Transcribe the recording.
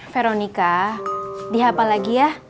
veronika dihapal lagi ya